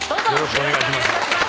よろしくお願いします。